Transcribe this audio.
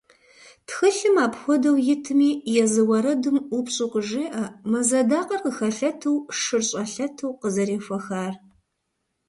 Тхылъым апхуэдэу итми, езы уэрэдым ӏупщӏу къыжеӏэ «мэз адакъэр къыхэлъэту, шыр щӏэлъэту» къызэрехуэхар.